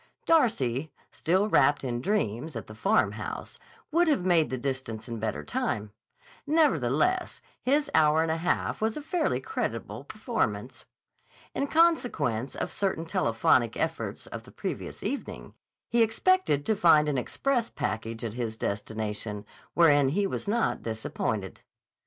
Darcy, still wrapped in dreams at the Farmhouse, would have made the distance in better time; nevertheless, his hour and a half was a fairly creditable performance. In consequence of certain telephonic efforts of the previous evening, he expected to find an express package at his destination, wherein he was not disappointed.